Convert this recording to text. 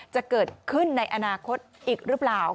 จะเกิดขึ้นในอนาคตอีกหรือเปล่า